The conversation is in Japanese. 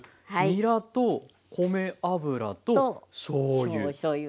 にらと米油としょうゆ。